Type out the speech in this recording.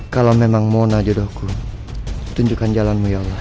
kalau memang mona jodohku tunjukkan jalanmu ya allah